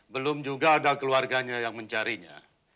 belum juga ada keluarganya yang mencarinya